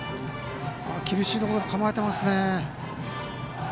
厳しいところ構えてますね。